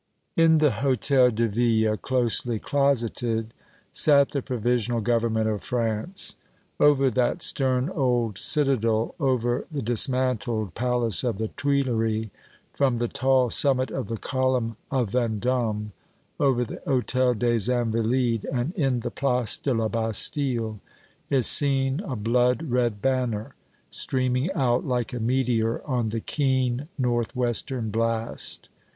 In the Hôtel de Ville, closely closeted, sat the Provisional Government of France. Over that stern old citadel, over the dismantled Palace of the Tuileries, from the tall summit of the Column of Vendôme, over the Hôtel des Invalides and in the Place de la Bastille is seen a blood red banner, streaming out like a meteor on the keen north western blast.